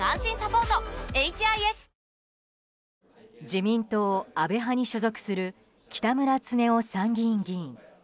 自民党安倍派に所属する北村経夫参議院議員。